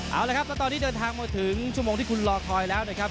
เอาละครับแล้วตอนนี้เดินทางมาถึงชั่วโมงที่คุณรอคอยแล้วนะครับ